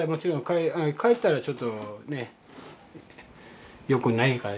帰ったらちょっとねよくないから。